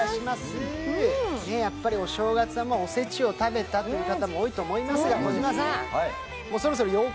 やっぱりお正月はおせちを食べたという方も多いと思いますが児嶋さんはい